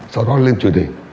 sau đó lên truyền hình